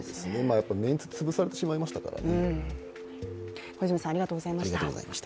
やっぱりメンツ潰されてしまいましたからね。